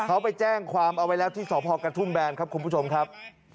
เขาไปแจ้งความเอาไว้แล้วที่สพกระทุ่มแบนครับคุณผู้ชมครับ